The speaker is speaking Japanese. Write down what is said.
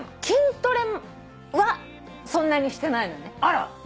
筋トレはそんなにしてないのね。